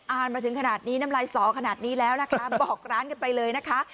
มาถึงขนาดนี้น้ำลายสอขนาดนี้แล้วนะคะบอกร้านกันไปเลยนะคะ